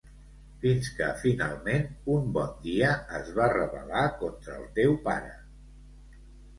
Fins que finalment, un bon dia, es va rebel·lar contra el teu pare.